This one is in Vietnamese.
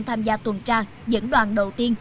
tham gia tuần tra dẫn đoàn đầu tiên